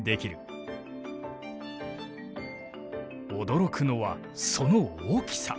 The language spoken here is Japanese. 驚くのはその大きさ。